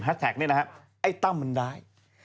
แฮชแท็กเนี่ยนะครับไอ้ตั้มมันได้